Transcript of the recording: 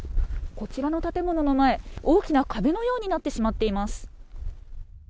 こちらの建物の前、大きな壁のようになってしまっています。